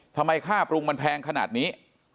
ค่าปรุงมันแพงขนาดนี้